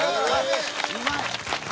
うまい。